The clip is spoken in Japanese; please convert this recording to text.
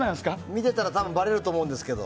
見てたらばれると思うんですけど。